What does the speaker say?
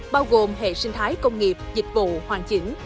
bao gồm hệ sinh thái công nghiệp dịch vụ hoàn chỉnh